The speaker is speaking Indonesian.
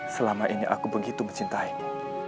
selama ini aku begitu mencintaimu